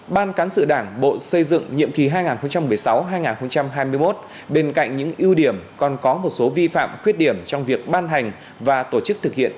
ban cán sự đảng bộ xây dựng nhiệm kỳ hai nghìn một mươi sáu hai nghìn hai mươi một bên cạnh những ưu điểm còn có một số vi phạm khuyết điểm trong việc ban hành và tổ chức thực hiện